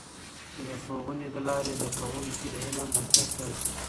د ښوونې له لارې، زده کوونکي د علم بنسټ ته رسېږي.